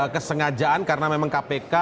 kesengajaan karena memang kpk